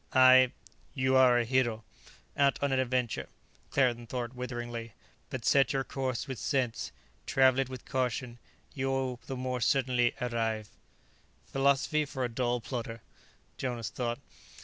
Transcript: "I " "You are a hero, out on an adventure," Claerten thought witheringly. "But set your course with sense, travel it with caution; you will the more certainly arrive." "Philosophy for a dull plodder," Jonas thought.